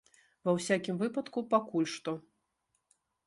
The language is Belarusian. Ва ўсякім выпадку, пакуль што.